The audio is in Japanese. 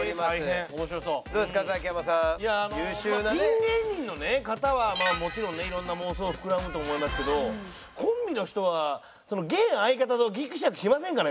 芸人の方はもちろんね色んな妄想膨らむと思いますけどコンビの人は現相方とギクシャクしませんかね？